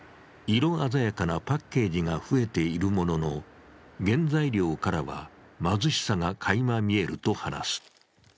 色鮮やかなパッケージが増えているものの、原材料からは貧しさがかいま見えると話す。